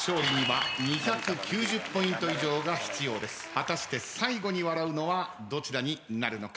果たして最後に笑うのはどちらになるのか？